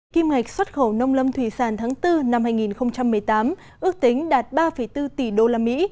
kim ngạch xuất khẩu nông lâm thủy sản tháng bốn năm hai nghìn một mươi tám ước tính đạt ba bốn tỷ đô la mỹ